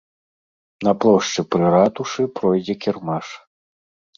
На плошчы пры ратушы пройдзе кірмаш.